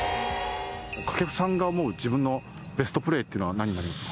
掛布さんが思う自分のベストプレーっていうのは何になります？